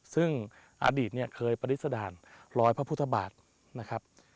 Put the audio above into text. ซึ่งอดีตเนี่ยเคยปฏิสถานรอยพระพุทธบาทนะครับ